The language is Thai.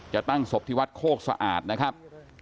จะตั้งศพที่วัดโคกสะอาดนะครับ